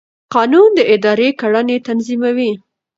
قانون د ادارې کړنې تنظیموي.